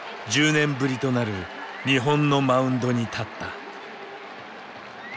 １０年ぶりとなる日本のマウンドに立った。